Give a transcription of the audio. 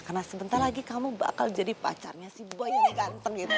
karena sebentar lagi kamu bakal jadi pacarnya si boy yang ganteng gitu